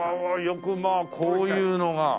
よくまあこういうのが。